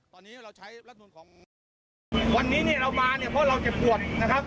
วันนี้เรามาเพราะเราจะปวดนะครับ